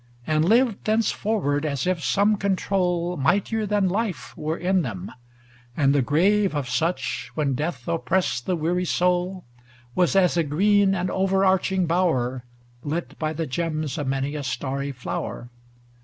And lived thenceforward as if some con trol. Mightier than life, were in them; and the grave Of such, when death oppressed the weary soul, Was as a green and over arching bower Lit by the gems of many a starry flower.